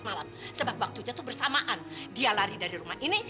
g rein aku tanpa dari sini